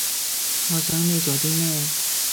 我想你做啲咩